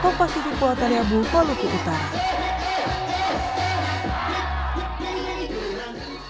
masih di pulau taliabu pulau kikutara